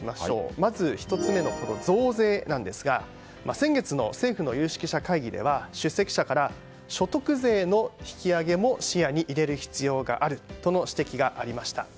まず１つ目の増税なんですが先月の政府の有識者会議では出席者から所得税の引き上げも視野に入れる必要があるとの指摘がありました。